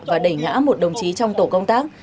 và đẩy ngã một đồng chí trong tổ công tác